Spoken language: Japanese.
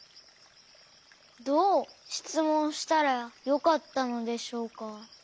どうしつもんしたらよかったのでしょうか。